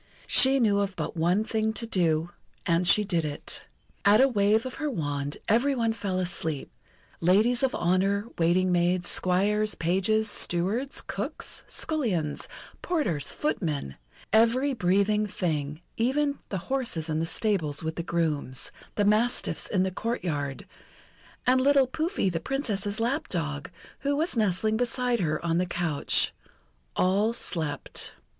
She knew of but one thing to do, and she did it. At a wave of her wand every one fell asleep ladies of honour, waiting maids, squires, pages, stewards, cooks, scullions, porters, footmen, every breathing thing, even the horses in the stables with the grooms, the mastiffs in the courtyard, and little Pouffi, the Princess's lap dog, who was nestling beside her on the couch all slept.